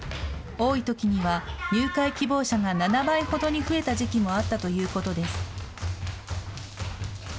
多いときには、入会希望者が７倍ほどに増えた時期もあったということです。